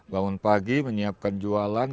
bangun pagi menyiapkan jualan